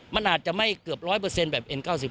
มันอาจจะไม่เกือบ๑๐๐แบบเอ็น๙๐